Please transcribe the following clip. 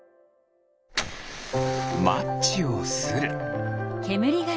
マッチをする。